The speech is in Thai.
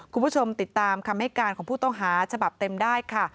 คุณผู้ชมติดตามคำให้การของผู้ต้องหาฉบับเต็มได้ค่ะ